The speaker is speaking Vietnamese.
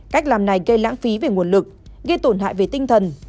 cách làm này gây lãng phí về nguồn lực gây tổn hại về tinh thần